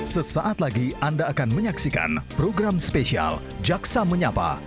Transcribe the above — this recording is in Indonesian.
sesaat lagi anda akan menyaksikan program spesial jaksa menyapa